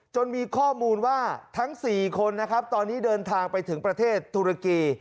มีข้อมูลว่าทั้ง๔คนนะครับตอนนี้เดินทางไปถึงประเทศธุรกี